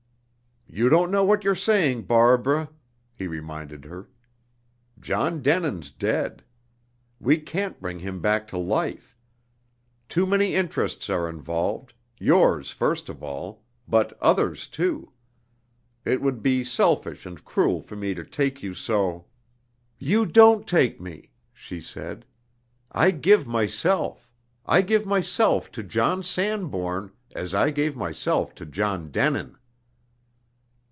"You don't know what you're saying, Barbara," he reminded her. "John Denin's dead. We can't bring him back to life. Too many interests are involved, yours first of all, but others, too. It would be selfish and cruel for me to take you so " "You don't take me," she said. "I give myself, I give myself to John Sanbourne, as I gave myself to John Denin."